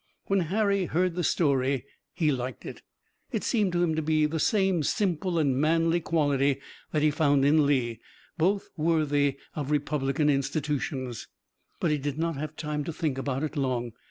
When Harry heard the story he liked it. It seemed to him to be the same simple and manly quality that he found in Lee, both worthy of republican institutions. But he did not have time to think about it long.